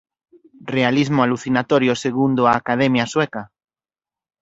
Realismo alucinatorio segundo a "Academia Sueca".